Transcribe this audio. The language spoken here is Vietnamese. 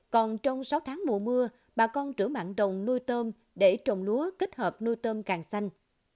còn trong sáu tháng mùa mưa bà con trữ mặn đồng nuôi tôm để trồng lúa kết hợp nuôi tôm càng xanh